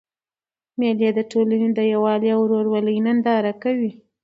مېلې د ټولني د یووالي او ورورولۍ ننداره کوي.